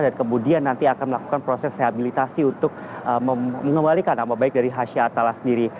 dan kemudian nanti akan melakukan proses rehabilitasi untuk mengembalikan nama baik dari hasha atala sendiri